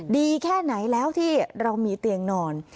ดีแค่ไหนแล้วที่เรามีเตียงนอน